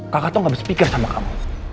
kakak tuh gak bisa pikir sama kamu